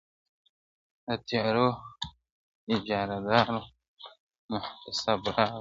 د تيارو اجاره دار محتسب راغى.!